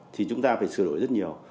thì chúng ta phải sửa đổi rất nhiều